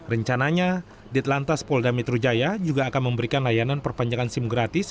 rencananya dit lantas pol damitrujaya juga akan memberikan layanan perpanjangan sim gratis